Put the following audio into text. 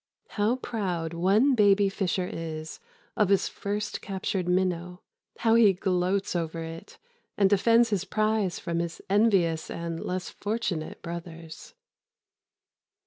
How proud one baby fisher is of his first captured minnow, how he gloats over it and defends his prize from his envious and less fortunate brothers.